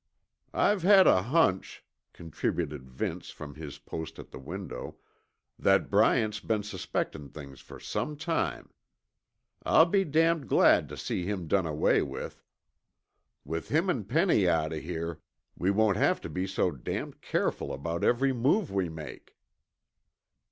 "I've had a hunch," contributed Vince from his post at the window, "that Bryant's been suspectin' things for some time. I'll be damned glad to see him done away with. With him an' Penny out of here, we won't have to be so damned careful about every move we make."